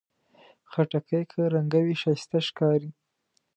خټکی که رنګه وي، ښایسته ښکاري.